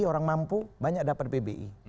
orang mampu banyak dapat pbi